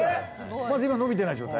まだ今伸びてない状態？